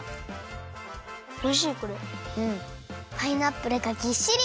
パイナップルがぎっしり！